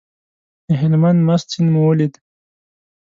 د هلمند مست سیند مو ولید.